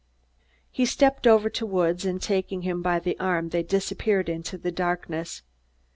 He stepped over to Woods and, taking him by the arm, they disappeared into the darkness.